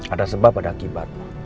ada sebab ada akibat